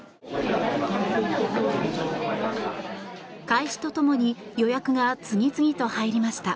開始と共に予約が次々と入りました。